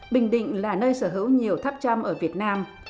bình định là nơi sở hữu nhiều tháp chăm ở việt nam